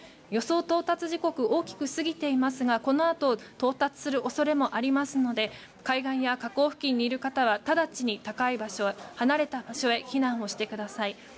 予想到達時刻を大きく過ぎていますがこのあと、到達する恐れもありますので海岸や河口付近にいる方は直ちに高い場所、離れた場所へ避難してください。